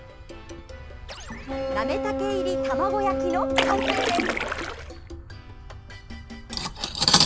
なめたけ入り卵焼きの完成です。